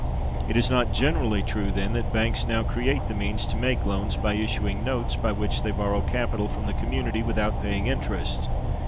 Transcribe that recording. It is not generally true, then, that banks now create the means to make loans by issuing notes by which they borrow capital from the community without paying interest.